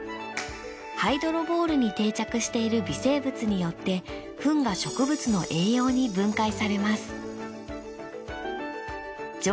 ハイドロボールに定着している微生物によってフンが植物の栄養に分解されます。